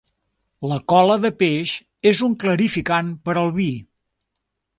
La cola de peix és un clarificant per al vi.